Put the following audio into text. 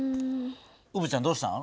うぶちゃんどうしたん？